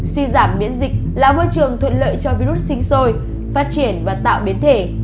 suy giảm biến dịch là môi trường thuận lợi cho virus sinh sôi phát triển và tạo biến thể